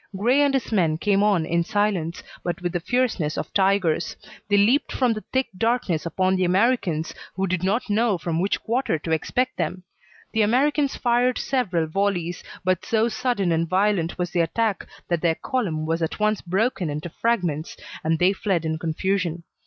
Grey and his men came on in silence, but with the fierceness of tigers; they leaped from the thick darkness upon the Americans, who did not know from which quarter to expect them. The Americans fired several volleys, but so sudden and violent was the attack that their column was at once broken into fragments, and they fled in confusion.